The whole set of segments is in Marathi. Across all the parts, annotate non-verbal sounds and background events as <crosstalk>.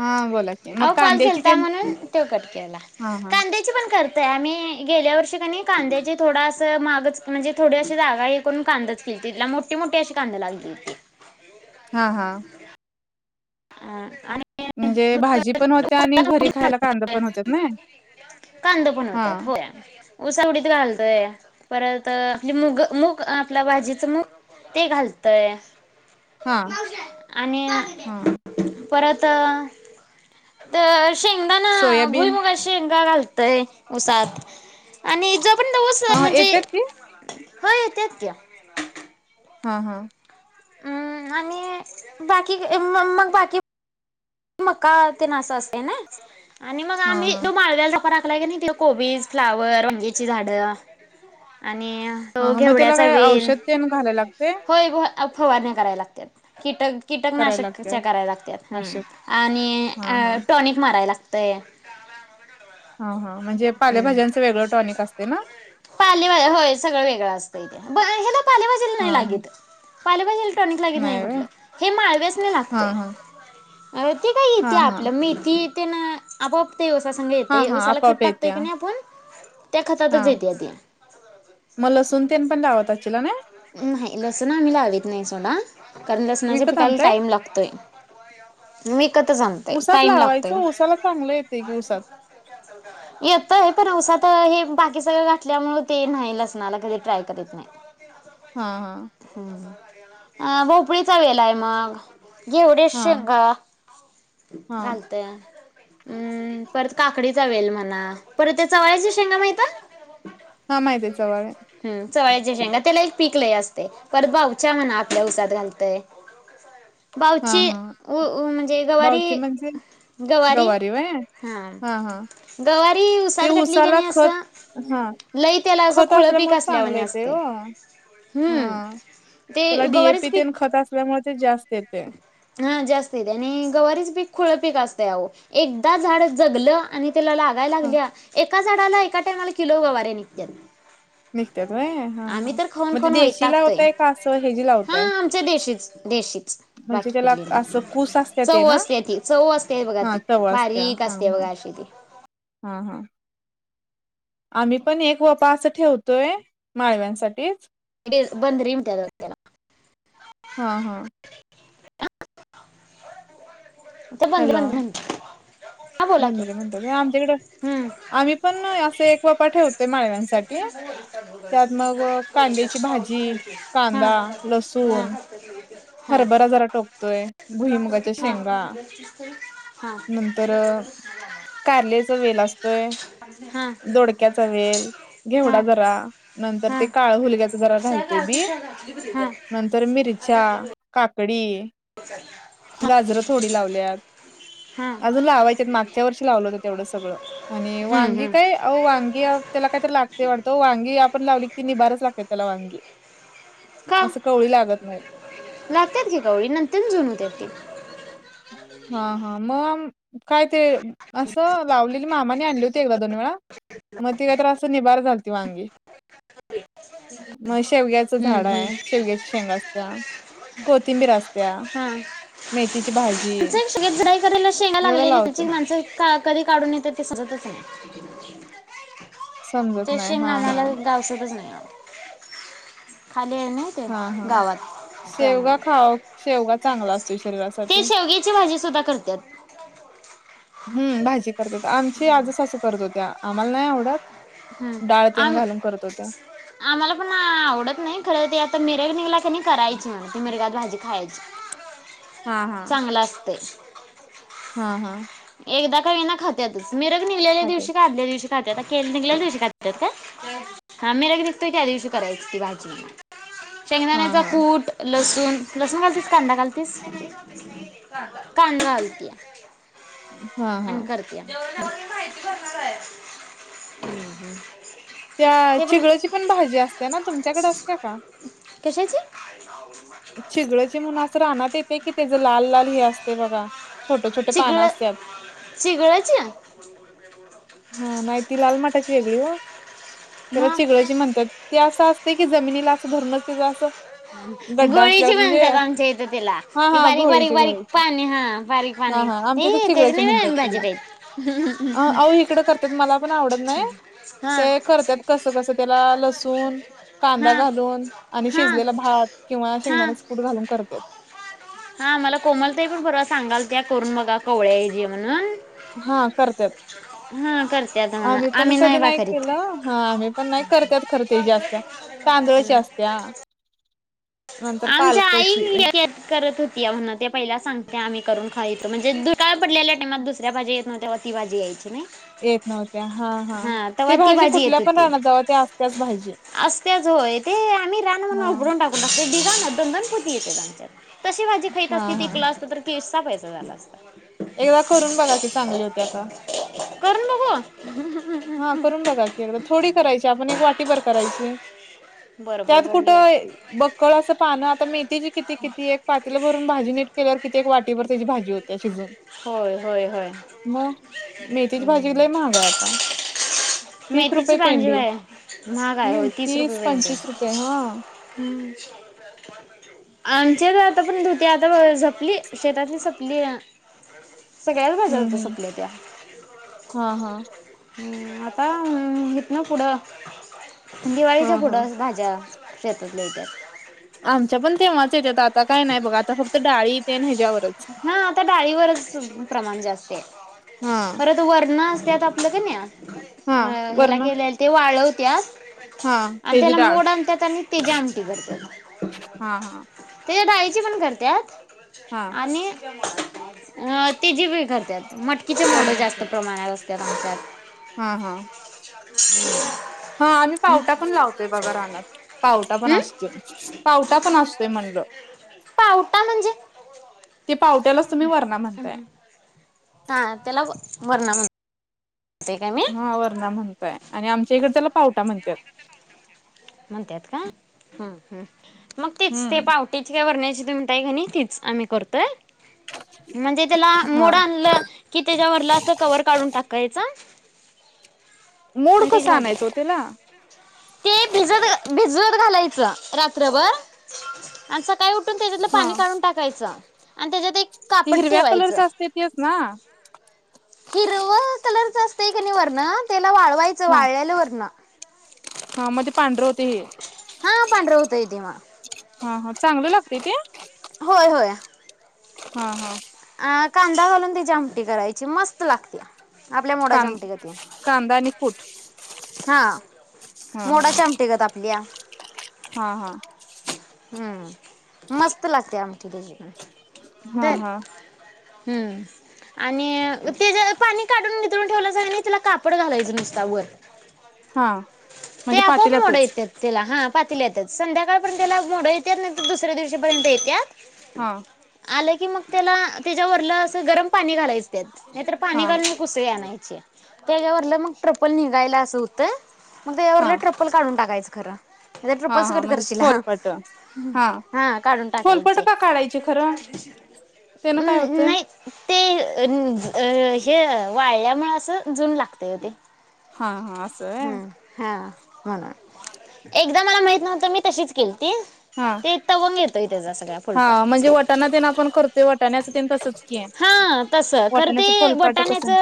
हा बोला की मग अहो कॉल कांद्याची ते केलता म्हणून तो कट केला हा हा कांद्याची पण कर आम्ही गेल्या वर्षी की नाय कांद्याची थोडा अस मागच म्हणजे थोडी अशी जागा विकून कांद तिला मोठी मोठी अशी कांदा लागली. हा हा. हा आणि म्हणजे भाजी पण होत्या आणि घरी खायला कांदा पण होतात न. कांदा पण होत्यात हो उसावडीत घालतोय परत आपली मूग मूग आपला भाजीच मूग ते घालतय हा आणि हा <inaudible> परत तर शेंगदाणा ना सोयाबीन भुईमुगाच्या शेंगा घालत त उसात आणि ज त्वस हा हा म्हणजे येतात ती होय येत्यात की ह ह हम्म आणि बाकी मग बाकी मका ते ना अस असते ना आणि मग हा आम्ही हा दो माळव्याला टाकलाय कमी कोबीज फ्लॉवर वांग्याची झाडं आणि हा आणि हा मग त्याला घेवड्याचा काय वेल औषध तेन घालायला लागते होय अफवारण्या कराय लागतात कीटक करायला लागते कीटकनाशकच्या कराय लागतात हम् असे आणि हा हा अ टॉनिक माराय लागतय. हा हा म्हणजे पालेभाज्यांचं वेगळं टॉनिक असते ना, पालेवा होय सगळं वेगळं असतं इथे ब हे बघ. हा ह. पाले पाजेला टॉनिक लागत नाही कुठलं, हे माळव्यास नि हा लागतय. हा आओ ते काय हा येते हा आपलं मेथी ते न आपोआप. ते ऊसा संघ हा येतय हा उसाला खत आपोआप टाकतोय क येत्या नई आपून त्या खतातच येत्यात. म लसून तेन पण लावतसतीला नाय? नाही. लसूण आम्ही लावीत नाही सोडा. विकत आणताय मी कत सांगतेय उसात टाईम लावायचं लागतय. उसाला चांगलं येते की उसात येतय पण आवसात त हे बाकी सगळं घातल्यामूळ ते नाही लसणाला कधी ट्राय करत नाही. हा हा. अ भोपळीचा वेलाय मग. घेवड्या हा शेंगा, हा घालत. म्म परत काकडी चावेल म्हणा परत त्या चवळ्याच्या शेंगा माहिते? हा माहिते जवळ आहे. चवाळ्याच्या शेंगा त्याला एक पिक लय असतय. हा बावची हा अ अ म्हणजे बावची गवारी म्हणजे गवारी हा. ते उसाला खत हा लईतेला असं खत खुळपीक असल्यामुळे चांगलं असल्यावानी येते असतय. हो हम्म हा त्याला ते डीएपी गवाऱीच तेन पीक खत असल्यामुळे ते जास्त येते हा जास्त इेत आणि गवारीच पीक खुळ पीक आस एकदा झाड जगलं आणि त्याला लागाय हा लागल्या ए एका झाडाला एका टायमाला किलो गवारे निग त्यात. निघत्यात व्हय हा आम्ही हा तर खाऊन मग ते खाऊन देशी वैताकतोय लावताय का असं हेजी हा लावताय आमच्या देशीच देशीच म्हणजे बाकी त्याला कुठली असं नाही कूस असत्या ते चव ना असते ती चव असते बघा हा ती चवळ असत्या बारीक हा असते हा बघा अशी ती. हा <unintelligible> हा हा. आम्ही पण एक व्पा असं ठेवतोय माळव्यांसाठीच. बंद र मि <unintelligible> त्यातना हा हा त बंद बंद म्हन. बंदर म्हणतात हॊ आमच्याकडं. हम्म. आम्ही पण असे एक वापा ठेवतोय माळव्यांसाठी त्यात मग कांद्याची भाजी तीळ, हा कांदा, लसून ह हं, हां. नंतर कारल्याचा वेल असतोय दोडक्याचा वेल, हा घेवडा जरा, नंतर हा ते काळ हुलग्याचा जरा घालते. नंतर मिरच्या, काकडी गाजरं थोडी लावल्यात. हा अजून लावायच्या. मागच्या वर्षी लावलं होत तेवढं सगळं आणि हम्म वांगी हम्म काय अ वांगी त्याला काय तर लागते वाटत वांगी आपण लावली कि निबाराच लागते त्याला वांगी. का असं कवळी लागत नाहीत लागतात घ कावळी नंतर जण होत ते हा हा मग काय ते असं लावलेली मामाने आणली होती एकदा दोन वेळा मग ति का तर असं निभार झाल त वांगी म शेवग्याचं हम्म झाड आहे हम्म शेवग्याची शेंग असत्या कोथिंबीर असत हम तु शग जराई करायला शेंगा एवढं लागलेली क लावतोय माणसं कधी काढून येते ते सजतच नाही समजत नाही त्याा हा हा मला गावसच नाही खाली आहे ना ते हा हा गावात शेवगा त्यामुळं खा क शेवगा चांगला असू शरीरासाठी ते शेवग्याची भाजी सुद्धा करतात. हम्म भाजी करत आमची आज सासू करत होत्या आम्हाला नाही आवडत ह डाळ आ तेन घालून करत होत्या आम्हाला पण आवडत नाही खर आता मिरग निघला करायची म्ह त मिरगात भाजी खायची हा हा चांगलं असते हा हा एकदा का ये ना खाततच मी रग निघलेल्या खात्यात दिवशी का आदल्या दिवशी निघल्याल्या दिवशी खातात का हा मी लग निघतोय त्या दिवशी करायची ती भाजी हा शेंगदाण्याचा हा कूट लस तून लसूण घालतीस कांदा घालतीस कांदा घालती हा हा आणिन करतया हम् त्या चिगळची पण भाजी असते ना तुमच्याकडे असते्या का कसेची चिगडची म्हून असं राहना येते कि त्याच लाल लाल हे असते बघा छोटे छोटे सिगळ पानं असत्यात सिगळ्याच्या हा नाही ती लाल मटाची वेगळी व त्याला मग चिगळची म्हणतात ती असं अस ते की जमिनीला असं धर्मतें असं गड्डा गोळीची असल्यावर म्हणजे म्हणतात आमच्या इथे तिला हा ती हा बारीक बारीक घोळीची बारीक घोळीची पाणी हा बारीक हा पाणी हा ते आमच्या इथे तेच चिगळाची नाही म्हणतात ना त्याला. भाजेत अ अहो इकडं करतात मला पण आवडत नाही. ह ते करतात कस कस त्याला लसून कांदा हा घालून आणि हा शिजलेला हात किंवा हा शेंगदाणेच कूड घालून करते हा मला कोमलताही पण बरं सांगाल त्या करून बघा कवळ्याऐजी म्हणून हा करते हा करते आता म्हणा आम्ही पण कधी नाही बाकरीत केलं हा आम्ही पण नाही करतत करते जास्त तांदळाची असत्या ह नंतर आमच्या पालकची आई करत होती म्हण ते पहिला सांगते आम्ही करून खायच म्हजे दुाळ पडल्या टामात दुसऱ्या भाजी येत न्ह्या्हा ती भाजी यायची नाही येत नव्हत्या हा हा ते भाजी कुठल्या पण राहना जाव त्या आज त्याच भाजी असजत जोय ते आम्ही रान म्हून हा उभरून टाकून टाकतो जा ना दंगनपती येतेच्यात तशी भाजी खत हा असते ते हा क्लास फेसा पयच झाला असता एकदा करून बघा कि चांगली होती आता करून बघू हा करून बघा की थोडी करायची आपण एक वाटीभर करायची बरं त्यात कुठं बकळ असं पानं आता मेहथीची किती किती एक पातीला भरून भाजी नीट केल्यावर किती एक वाटीवरर त्याची भाजी होत्या शिजून हो हो मग मेथीची भाजीलाही महागा आहे आता तीस मेथीची रुपये पांजे बा पेंडी आहे महागय हो हम्म तीस रुपये ज पंचवीस रुपये हा. हम् आमच्यात आता पर्यंत होती, आता झपली शेतातली सपली. सगळ्याच हम्म भाज्या हम्म. स्वपल्या होत्या. हा हा आता कितना पुढं, हा दिवाळीच्या हा पुढं भाज्या. शेतात आमच्या पण तेंव्हाच येतात, आता काय नाही बघ, आता फक्त डाळी तेन. ह्याच्यावरच हा आता डाळीवरच प्रमाण जास्त आहे, हा परत वरण. त्यात आपलं कनी हा अ हेला वरण गेलेलं ते वाळवत्या. हा आणि त्याची त्याला डाळ मोड आनत्यात आणि त्याची आमटी करत्यात. हा हा त्याच्या डाळीची पण करत्यात हा आणि तची बी करत्यात. मटकीचे मोड जास्त प्रमाणात असतात आमच्यात. हम, हम. हम्म. हा आणि् पावटा पण लावतोय बघा रानात, पावटा पण हम्म असतो पावटा पण असतय म्हणलं. पाऊठा म्हणजे. ते पावट्यालाच तुम्ही वरणा म्हणताय. ह त्याला वरणा म्हण. हा वरणा म्हणताय आणि आमच्या इकडे त्याला पावटा म्हणतात. म्हणतात का ह मग तेच ते हम्म पावट्याची त्या वरण्याची. म्हणताय कनी तेचं आम्ही करतोय. म्हणजे त्याला हा. मोड आणलं कि त्याच्यावरला अस कवर काढून टाकायचं. मोड आणि त्याची कसं भाजी ते. आणायचं ओ त्याला भिजत भिजत घालायचं रात्रभर आणि सकाळी. सकाळी काय उठून त्याच्यातलं हा पाणी काढून टाकायचं आणि त्याच्यात एक. ते कापड हिरव्या ठेवायचं कलरच असतय तेच ना हिरव कलर. असत कणी वरण त्याला वाळवायचं, हा वाळलेलं वरण. हा मध्ये पांढर होत. हा पांढर होतय ते मग. हा, ह चांगलं लागतय ते. होय होय. हा, हा. अ कांदा घालून त्याची आमटी करायची मस्त लागते. आपल्या कां मोडाच्या आमटी गतीनं कांदा आणि कूट हा. हा मोडा च्या आमटी गत आपल्या. हा हा. हम्म, मस्त लागते आमटी. हा दर हा. हम्म. आणि ते जे पाणी काढून नितळूण ठेवलंसा कणी तेला कापड घालायचं नुसता वर. हा हा ते म्हणजे आपोआप मोडं पातेल्यातच येत्यात तेला हा पाातेल्यात. संध्याकाळपर्यंत त्याला मोडं येत्यात, नाही तर दुसऱ्या दिवशीपर्यंत येत्यात हा आलं की मग. त्याला त्याच्यावररला असं गरम पाणी घालायच नाहीतर पाणी हा घालून उसळी आणायची. त्याच्यावरलं मग ट्रप्पल निघायला असं होतं मग हा त्याच्यावरलं ट्रप्पल काढून टाकायचं खरं. नाहीतर ट्रिपल हा हा सकट म्हणजे करचीला. फोलपट हा काढून फोलपट टाकायचे. तेन काय हम्म होतंय. नाही ते अ हे वाळल्यामुळे असं जुन लागतेय ओ ते. हा हा असं होय हम्म, हा. हा ना एकदा मला माहित नव्हत मी तशीच केली. ते हा ते तवंग येतोय त्याचा सगळ्या फुलपाटाचा. वाटाण्याचं पण तसच की. हा तस खर ते वाटाण्याचं फोलपाट बटाण्याच कसं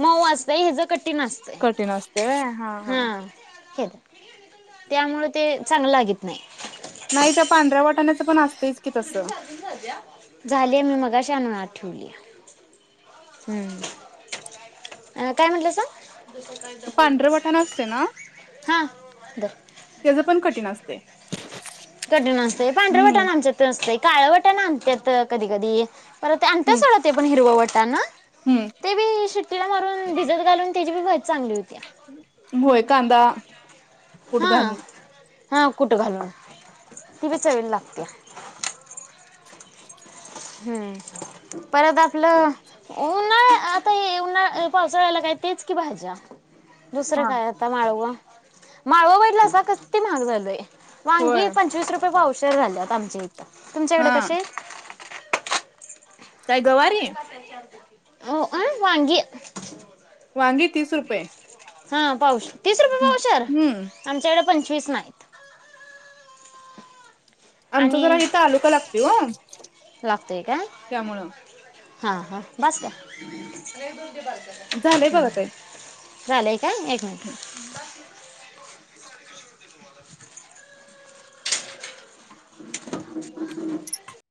मऊ असत हच कठीण असत कठीण असतंय व्हय हा हा हे त्यामुळे ते चांगलं लागत नाही नाही त्या पांढऱ्या वाटाण्याच पण असतेच झाले मी मगा शान ठव काय म्हटलं दुसर काय दबरूून पड त्याच पण कठीण असते कठीण असते पांढरवटाण आमच्यात नसतें काळवटण आमतत कधी कधी पर ते आण्याच सड ते पण हिरववटा ना हम्म ते बी शेट्टीला मारून भिजत घालून त्याची बी वयत चांगली होती होय कांदा हा कुटघ हा कुठं घालून ती बच वल लागते ह हम् परत आपलं उन्हाळ आता उन्हाळ पावसाळा्याला काहीती क पाहिज दुसरं हा काय आता माळवा माळवा बैला असा किती महाग झालय होय वांगी पंचवीस रुपये पावशर झाले आमच्या इथं तुमच्याकडे हा. कसे आहे काय गवारी? हो अं वाांगी वांगी तीस रुपये हा पाऊस तीस रुपये पाऊसर हम्म आमच्याकडे पं फच नाहीत आमचा ज आणि आहे तालुका लागत हो लागतोय का हा हा बस का झालंय बघ ते रालेय का एक मिनिट <unintelligible>